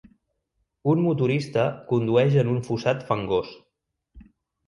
Un motorista condueix en un fossat fangós.